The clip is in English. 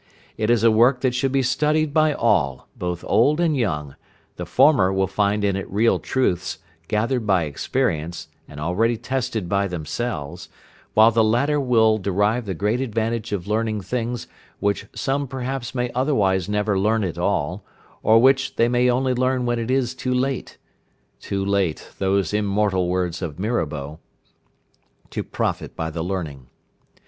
It is a work that should be studied by all, both old and young; the former will find in it real truths, gathered by experience, and already tested by themselves, while the latter will derive the great advantage of learning things, which some perhaps may otherwise never learn at all, or which they may only learn when it is too late ("too late" those immortal words of Mirabeau) to profit by the learning.